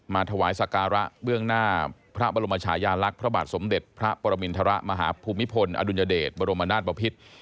ถวายสการะเบื้องหน้าพระบรมชายาลักษณ์พระบาทสมเด็จพระปรมินทรมาฮภูมิพลอดุลยเดชบรมนาศบพิษ